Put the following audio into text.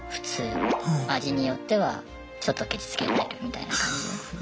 味によってはちょっとケチつけられるみたいな感じで。